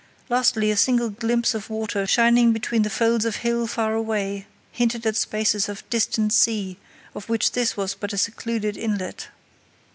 Lastly, a single glimpse of water shining between the folds of hill far away hinted at spaces of distant sea of which this was but a secluded inlet.